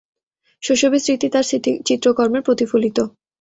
শৈশবের স্মৃতি তার চিত্রকর্মে প্রতিফলিত।